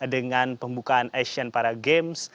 dengan pembukaan asian paragames